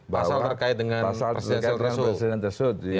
pasal terkait dengan presidensial threshold